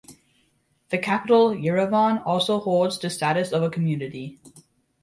The capital, Yerevan, also holds the status of a community.